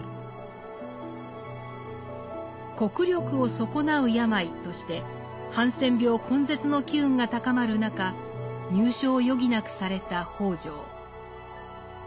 国力を損なう病としてハンセン病根絶の機運が高まる中入所を余儀なくされた北條。